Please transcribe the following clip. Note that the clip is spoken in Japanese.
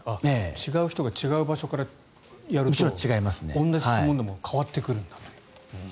違う人が、違う場所からやると同じ質問でも変わってくるんだと。